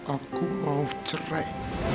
aku mau cerai